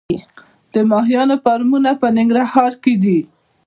د ماهیانو فارمونه په ننګرهار کې دي